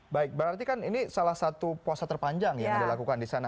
baik berarti kan ini salah satu puasa terpanjang yang anda lakukan di sana